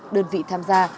đơn vị tham gia